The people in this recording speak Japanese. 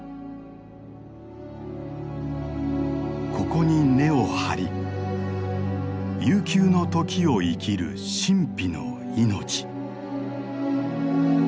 ここに根を張り悠久の時を生きる神秘の命。